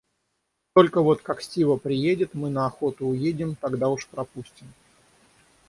Только вот, как Стива приедет, мы на охоту уедем, тогда уж пропустим.